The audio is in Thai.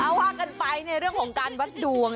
เอาว่ากันไปในเรื่องของการวัดดวง